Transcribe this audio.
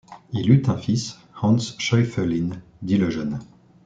Il eut un fils, Hans Schäuffelin dit le Jeune.